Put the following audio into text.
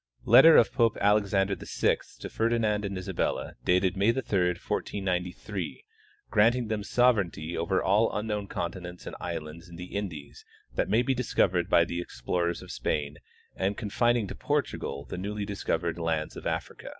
Letter of Poi^e Alexander VI to Ferdinand and Isabella, dated Ma}^ 3, 1493, granting them sovereignty over all unknown continents and islands in the Indies that may be discovered by the explorers of Spain and confining to Portugal the newly dis covered lands of Africa.